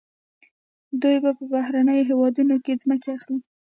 دوی په بهرنیو هیوادونو کې ځمکې اخلي.